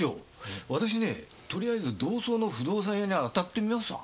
私ねとりあえず同窓の不動産屋に当たってみますわ。